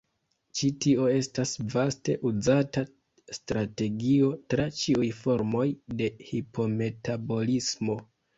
Ĉi tio estas vaste uzata strategio tra ĉiuj formoj de hipometabolismo.